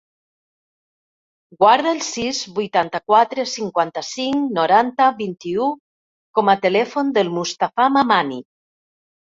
Guarda el sis, vuitanta-quatre, cinquanta-cinc, noranta, vint-i-u com a telèfon del Mustafa Mamani.